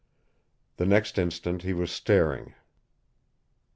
The next instant he was staring.